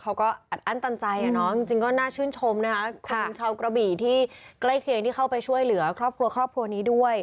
เขาก็อัดอั้นตันใจจริงก็น่าชื่นชมนะคะคนชาวกระบี่ที่ใกล้เคียงที่เข้าไปช่วยเหลือครอบครัวครอบครัวนี้ด้วย